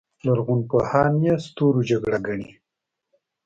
لرغونپوهان یې ستورو جګړه ګڼي